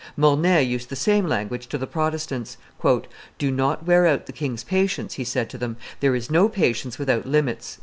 Mornay used the same language to the Protestants. "Do not wear out the king's patience," he said to them: "there is no patience without limits."